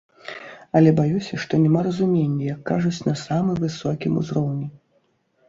Але баюся, што няма разумення, як кажуць, на самы высокім узроўні.